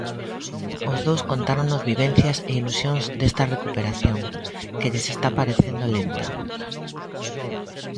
Os dous contáronnos vivencias e ilusións desta recuperación, que lles está parecendo lenta.